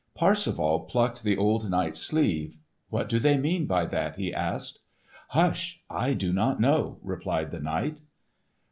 Parsifal plucked the old knight's sleeve. "What do they mean by that?" he asked. "Hush. I do not know," replied the knight.